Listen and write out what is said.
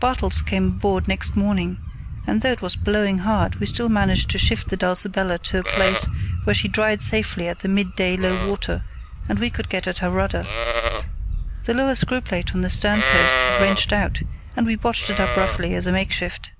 Bartels came aboard next morning, and though it was blowing hard still we managed to shift the Dulcibella to a place where she dried safely at the midday low water, and we could get at her rudder. The lower screw plate on the stern post had wrenched out, and we botched it up roughly as a makeshift.